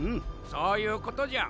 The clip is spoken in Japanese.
そういうことじゃ。